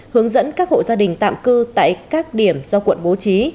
hướng dẫn các hộ gia đình tạm cư tại các điểm do quận bố trí